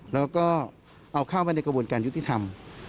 แล้วก็เอาเข้ามาในกระบวนการยุติธรรม